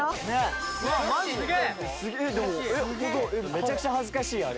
めちゃくちゃ恥ずかしいよあれ。